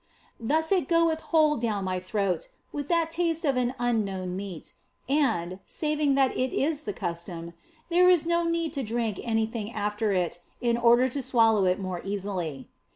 Thus it goeth whole down my throat, with that taste of an unknown meat, and saving that it is the custom there is no need to drink anything after it in order to swallow it more easily.